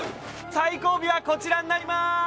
最後尾はこちらになりまーす！